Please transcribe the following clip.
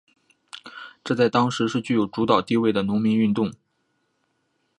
这在当时是具有主导地位的农民运动。